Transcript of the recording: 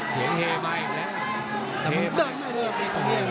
ให้ใหม่